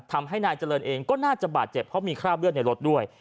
ทำให้นายเจริญเองก็น่าจะบาดเจ็บเพราะมีคราบเลือดในรถด้วย